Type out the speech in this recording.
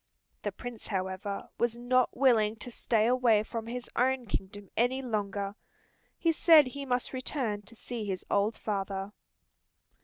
The Prince, however, was not willing to stay away from his own kingdom any longer. He said he must return to see his old father.